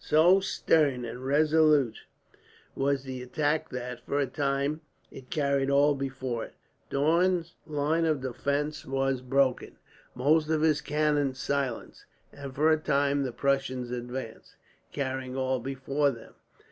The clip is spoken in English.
So stern and resolute was the attack that, for a time, it carried all before it. Daun's line of defence was broken, most of his cannon silenced, and for a time the Prussians advanced, carrying all before them.